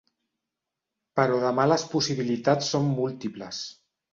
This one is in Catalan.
Però demà les possibilitats són múltiples.